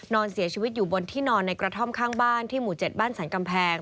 นอนเสียชีวิตอยู่บนที่นอนในกระท่อมข้างบ้านที่หมู่๗บ้านสรรกำแพง